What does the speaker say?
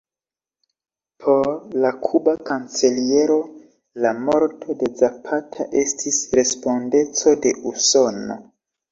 Por la kuba kanceliero, la morto de Zapata estis respondeco de Usono.